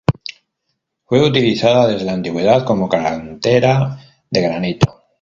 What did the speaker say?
Fue utilizada, desde la antigüedad, como cantera de granito.